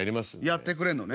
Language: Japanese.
やってくれんのね。